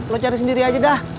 lo cari sendiri aja dah